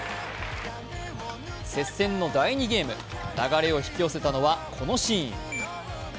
接戦の第２ゲーム、流れを引き寄せたのはこのシーン。